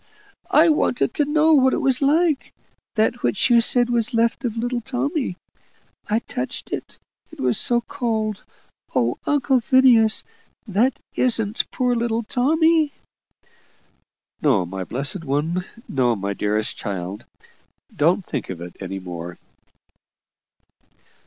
I wanted to know what it was like that which you said was left of little Tommy. I touched it it was so cold. Oh! Uncle Phineas! THAT isn't poor little Tommy?" "No, my blessed one no, my dearest child! Don't think of it any more."